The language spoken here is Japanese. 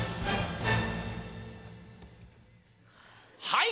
はい！